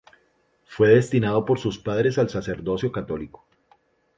Fue destinado por sus padres al sacerdocio católico.